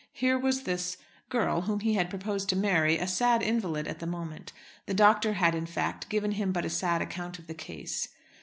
Here was this girl whom he had proposed to marry, a sad invalid at the moment. The doctor had, in fact, given him but a sad account of the case.